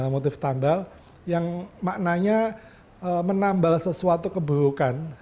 motif tambal yang maknanya menambal sesuatu keburukan